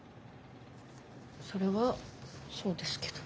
それはそうですけど。